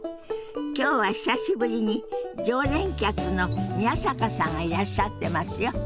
今日は久しぶりに常連客の宮坂さんがいらっしゃってますよ。